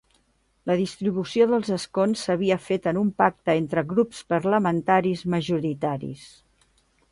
La distribució dels escons s’havia fet en un pacte entre grups parlamentaris majoritaris.